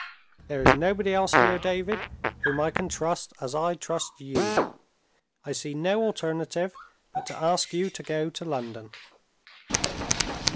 There is nobody else here, David, whom I can trust, as I trust you. I see no alternative but to ask you to go to London."